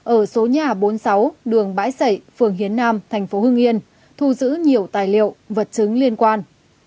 ở số nhà bốn mươi sáu đường bãi sẩy phường hiến nam tp hương yên thu giữ nhiều tài liệu vật chứng liên quan